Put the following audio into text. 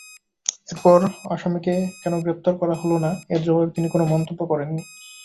অপর আসামিকে কেন গ্রেপ্তার করা হলো না—এর জবাবে তিনি কোনো মন্তব্য করেননি।